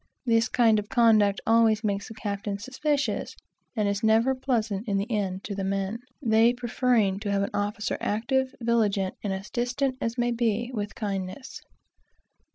This kind of conduct always makes the captain suspicious, and is never pleasant, in the end, to the men; they preferring to have an officer active, vigilant, and distant as may be, with kindness.